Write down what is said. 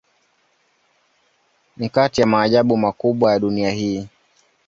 Ni kati ya maajabu makubwa ya dunia hii.